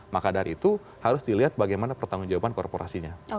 maka dari itu harus dilihat bagaimana pertanggung jawaban korporasinya